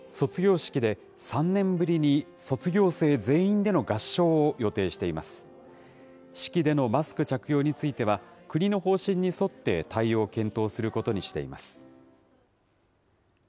式でのマスク着用については、国の方針に沿って対応を検討することにしています。